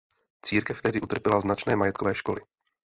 Církev tehdy utrpěla značné majetkové školy.